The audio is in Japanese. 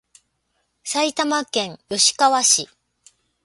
埼玉県吉川市